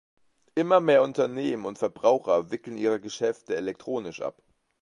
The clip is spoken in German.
Immer mehr Unternehmen und Verbraucher wickeln ihre Geschäfte elektronisch ab.